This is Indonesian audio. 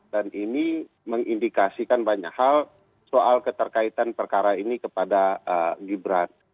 ini mengindikasikan banyak hal soal keterkaitan perkara ini kepada gibran